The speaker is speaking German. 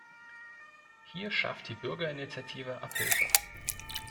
Hier schafft die Bürgerinitiative Abhilfe.